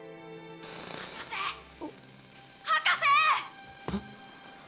「博士博士！」。